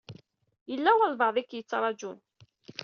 Yella walebɛaḍ i k-yettṛajun.